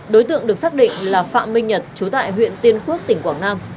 đối tượng được xác định là phạm minh nhật chú tại huyện tiên phước tỉnh quảng nam